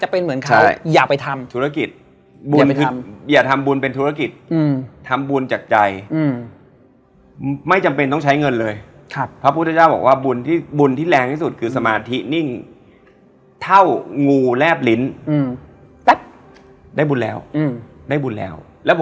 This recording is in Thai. ไปอ้วกด้วยมั้ยสั่นแล้วก็เดินไปอ้วกตลอดเวลา